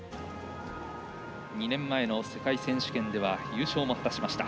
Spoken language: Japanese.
２年前の世界選手権では優勝も果たしました。